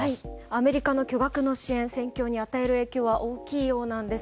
アメリカの巨額の支援戦況に与える影響は大きいようなんです。